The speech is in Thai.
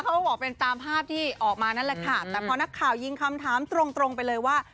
เขาบอกเป็นตามภาพที่ออกมานั่นแหละค่ะแต่พอนักข่าวยิงคำถามตรงตรงไปเลยว่า